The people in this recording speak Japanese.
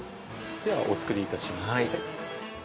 ではお作りいたします。